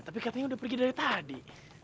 tapi katanya udah pergi dari tadi